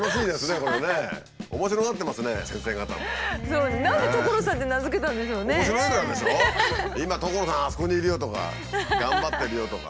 「今トコロサンあそこにいるよ」とか「頑張ってるよ」とか。